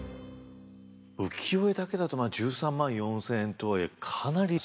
浮世絵だけだと１３万４，０００円とはいえかなり少なくないかい？